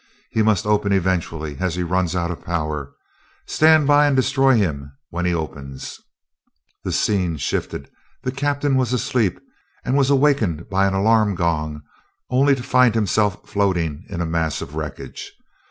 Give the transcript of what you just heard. He must open eventually, as he runs out of power. Stand by and destroy him when he opens." The scene shifted. The captain was asleep and was awakened by an alarm gong only to find himself floating in a mass of wreckage.